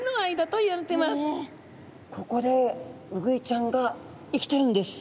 ここでウグイちゃんが生きてるんです。